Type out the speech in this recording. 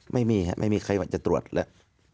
ไม่มีครับไม่มีใครว่าจะตรวจแล้ว